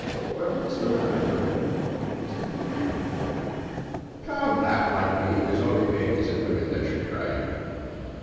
Why, what's the matter, friend? There's a tear drop in you eye, Come, laugh like me. 'Tis only babes and women that should cry.